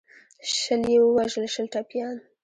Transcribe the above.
شل یې ووژل شل ټپیان.